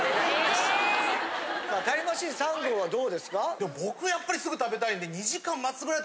タイムマシーン３号はどうですか？